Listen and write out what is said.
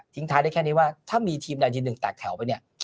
ท้ายได้แค่นี้ว่าถ้ามีทีมใดทีมหนึ่งแตกแถวไปเนี่ย